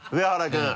君。